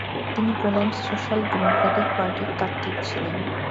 তিনি Poland social democratic পার্টির তাত্তিক ছিলেন ।